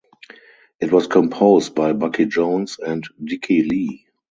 It was composed by Bucky Jones and Dickey Lee.